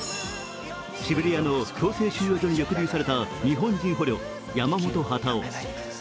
シベリアの強制収容所に抑留された日本人捕虜、山本幡男。